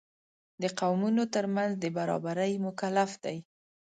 د قومونو تر منځ د برابرۍ مکلف دی.